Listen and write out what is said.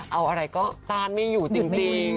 เอาอะไรก็ต้านไม่อยู่จริง